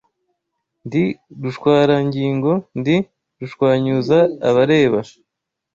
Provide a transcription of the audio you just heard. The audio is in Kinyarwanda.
Ndi Rushwarangingo ndi rushwanyuza abareba